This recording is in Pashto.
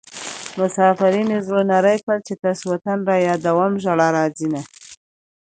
مسافرۍ مې زړه نری کړ چې تش وطن رايادوم ژړا راځينه